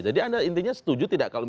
jadi anda intinya setuju tidak kebenaran